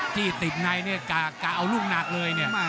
ที่ติดในกะเอาลูกหนักเลยนี่